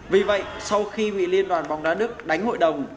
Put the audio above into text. vì vậy sau khi bị liên đoàn bóng đá đức đánh hội đồng